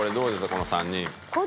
この３人。